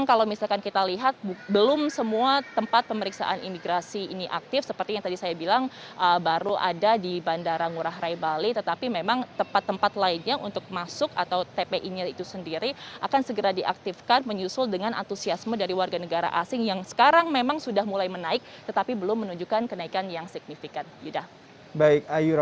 jadi shhambouralah kita slipping bagian saya dan berarti laman tempat pemeriksaan itu lalu road lalu benar